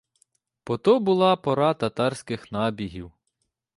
Бо то була пора татарських набігів.